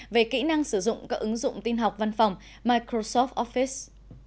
về kỹ năng sử dụng các ứng dụng tin học văn phòng microsoft office